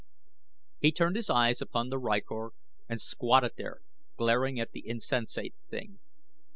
He turned his eyes upon the rykor and squatted there glaring at the insensate thing.